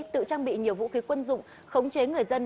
tự trang bị nhiều vũ khí quân dụng khống chế người dân